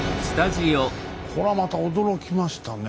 これはまた驚きましたね。